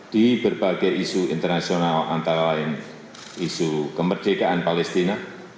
di berbagai isu internasional antara lain isu kemerdekaan palestina